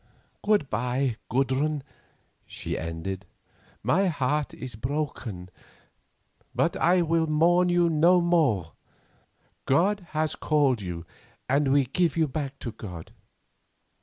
"Good bye, Gudrun," she ended, "my heart is broken; but I will mourn for you no more. God has called you, and we give you back to God.